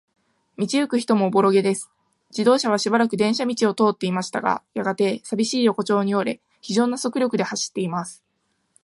道ゆく人もおぼろげです。自動車はしばらく電車道を通っていましたが、やがて、さびしい横町に折れ、ひじょうな速力で走っています。